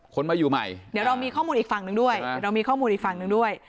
คนมาอยู่ใหม่เดี๋ยวเรามีข้อมูลอีกฝั่งด้วย